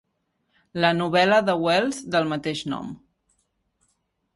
La novel·la de Wells del mateix nom.